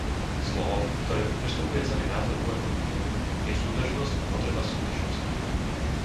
Slovom, ktoré prestupuje celý názor môjho výboru, je súdržnosť a potreba súdržnosti.